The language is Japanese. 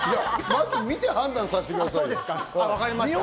まず見て判断させてくださいよ。